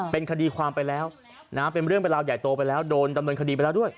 เป็นคดีความไปแล้วเป็นเรื่องเป็นราวใหญ่โตไปแล้วโดนดำเนินคดีไปแล้วด้วย